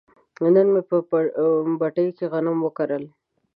نن مې په پټي کې غنم وکرل.